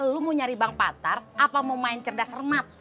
lu mau nyari bang patar apa mau main cerdas remat